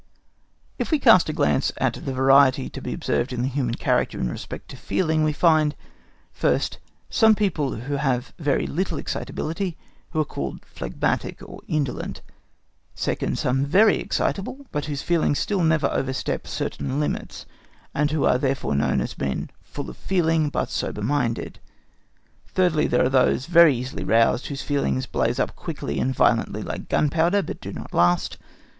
If we cast a glance at the variety to be observed in the human character in respect to feeling, we find, first, some people who have very little excitability, who are called phlegmatic or indolent. Secondly, some very excitable, but whose feelings still never overstep certain limits, and who are therefore known as men full of feeling, but sober minded. Thirdly, those who are very easily roused, whose feelings blaze up quickly and violently like gunpowder, but do not last.